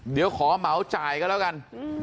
เดี๋ยวขอเหมาจ่ายก็แล้วกัน